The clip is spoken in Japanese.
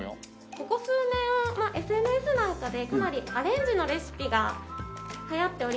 ここ数年ＳＮＳなんかでかなりアレンジのレシピが流行っておりまして。